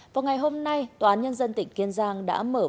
vào ngày hôm nay tòa án nhân dân tỉnh kiên giang đã mời các đối tượng